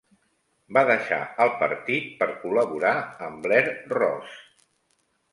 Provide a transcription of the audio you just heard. Va deixar el partit per col·laborar amb Blair Ross.